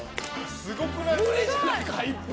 すごくない？